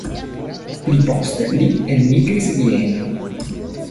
Pli poste li elmigris Vienon.